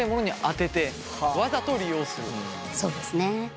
そうですね。